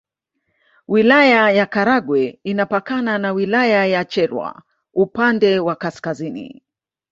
Wilaya ya Karagwe inapakana na Wilaya ya Kyerwa upande wa Kaskazini